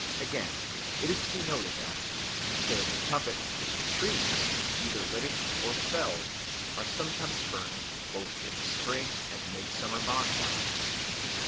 Again, it is to be noted that, instead of a puppet, trees, either living or felled, are sometimes burned both in the spring and midsummer bonfires.